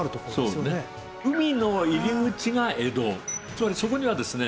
つまりそこにはですね